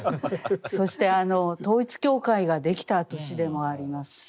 そして統一教会ができた年でもあります。